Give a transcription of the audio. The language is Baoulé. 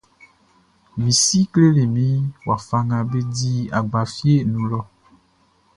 Mi si kleli min wafa nga be di agba fieʼn nun lɔʼn.